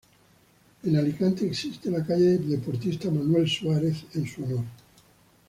En Alicante existe la "calle Deportista Manuel Suárez" en su honor.